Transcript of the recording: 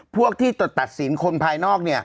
พวกที่ตัดสินคนภายนอก